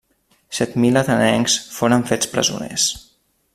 Set mil atenencs foren fets presoners.